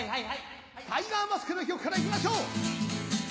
『タイガーマスク』の曲からいきましょう！